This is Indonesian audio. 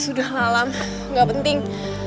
sudah lalam gak penting